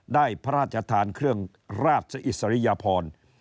ได้พระราชทานเครื่องราชอิสริยพร